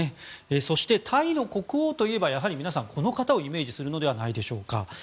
そして、タイの国王といえば皆さんこの方をイメージするのではないでしょうか。